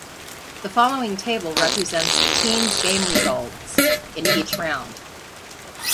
The following table represents the teams game results in each round.